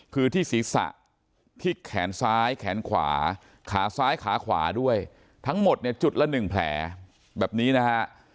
คือที่ศีรษะที่แขนซ้ายแขนขวาขาซ้ายขาขวาด้วยทั้งหมดเนี่ยจุดละ๑แผลแบบนี้นะฮะ